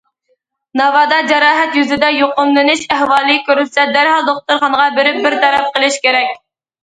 ناۋادا جاراھەت يۈزىدە يۇقۇملىنىش ئەھۋالى كۆرۈلسە، دەرھال دوختۇرخانىغا بېرىپ بىر تەرەپ قىلىش كېرەك.